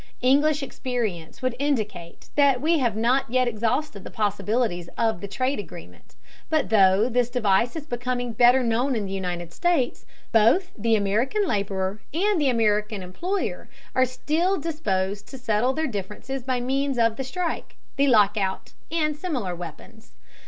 English experience would indicate that we have not yet exhausted the possibilities of the trade agreement, but though this device is becoming better known in the United States, both the American laborer and the American employer are still disposed to settle their differences by means of the strike, the lockout, and similar weapons.